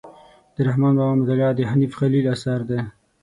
د رحمان بابا مطالعه د حنیف خلیل اثر دی.